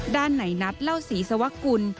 ด้านไหนนัดเล่าศรีสวกุล